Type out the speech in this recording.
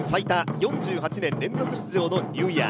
４８年連続出場のニューイヤー。